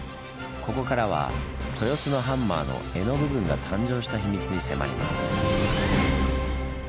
ここからは豊洲のハンマーの柄の部分が誕生した秘密に迫ります。